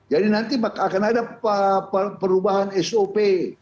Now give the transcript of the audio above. jadi nanti akan ada perubahan sop